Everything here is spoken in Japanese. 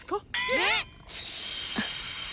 えっ！